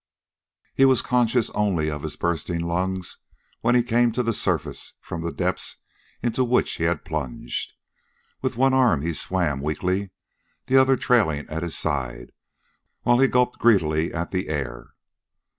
He was conscious only of his bursting lungs when he came to the surface from the depths into which he plunged. With one arm he swam weakly, the other trailing at his side, while he gulped greedily at the air.